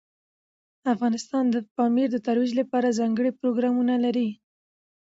افغانستان د پامیر د ترویج لپاره ځانګړي پروګرامونه لري.